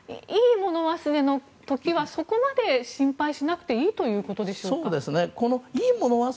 もの忘れの時はそこまで心配しなくていいということでしょうか。